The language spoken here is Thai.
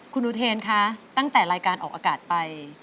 คุณอุเทนคะตั้งแต่รายการออกอากาศไป